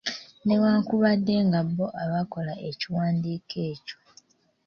Newankubadde ng’abo abaakola ekiwandiiko ekyo